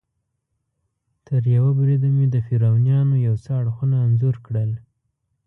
تریوه بریده مې د فرعونیانو یو څه اړخونه انځور کړل.